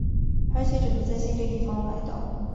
而且只能在限定地方买到。